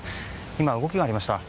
今、動きがありました。